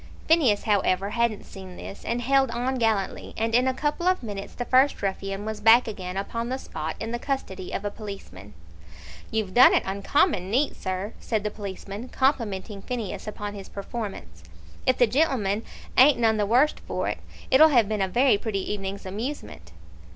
Phineas, however, hadn't seen this, and held on gallantly, and in a couple of minutes the first ruffian was back again upon the spot in the custody of a policeman. "You've done it uncommon neat, sir," said the policeman, complimenting Phineas upon his performance. "If the gen'leman ain't none the worst for it, it'll have been a very pretty evening's amusement."